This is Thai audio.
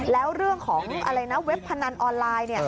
แล้วเรื่องของเว็บพนันออนไลน์